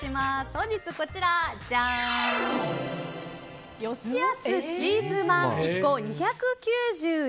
本日、こちらよしやすチーズまん１個２９１円。